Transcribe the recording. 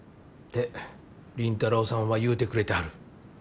って凛太朗さんは言うてくれてはる。